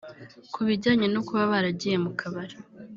Ku bijyanye no kuba baragiye mu kabari